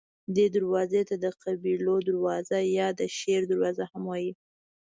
دې دروازې ته د قبیلو دروازه یا د شیر دروازه هم وایي.